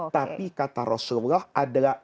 tapi kata rasulullah adalah